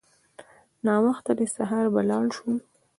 ناوخته دی سهار به لاړ شو.